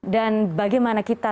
dan bagaimana kita